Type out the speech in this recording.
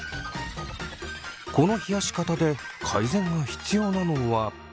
この冷やし方で改善が必要なのは。